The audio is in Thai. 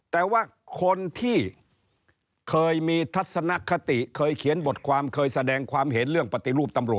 แต่ว่าคนที่เคยมีทัศนคติ